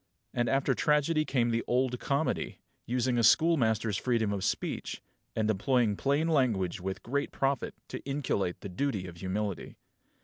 And after tragedy came the Old Comedy, using a schoolmaster's freedom of speech, and employing plain language with great profit to inculcate the duty of humility.